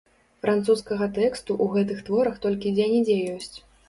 Французскага тэксту ў гэтых творах толькі дзе-нідзе ёсць.